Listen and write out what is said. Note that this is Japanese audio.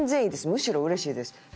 むしろうれしいですって。